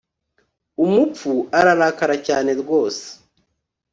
umupfu ararakara cyane rwose